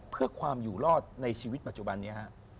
เพื่อความอยู่รอดในชีวิตปัจจุบันนี้ฮะ